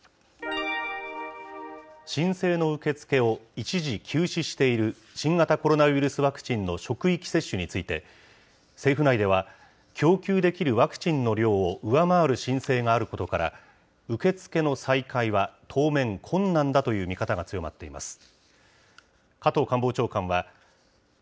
申請の受け付けを一時休止している新型コロナウイルスワクチンの職域接種について、政府内では、供給できるワクチンの量を上回る申請があることから、受け付けの再開は当面困難だという見方が強まっています。